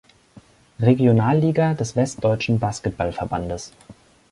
Regionalliga des Westdeutschen Basketball-Verbandes.